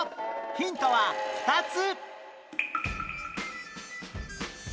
ヒントは２つ！